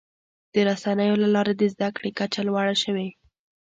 د رسنیو له لارې د زدهکړې کچه لوړه شوې.